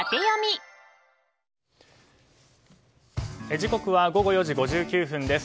時刻は午後４時５９分です。